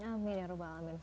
amin ya rabbal'alamin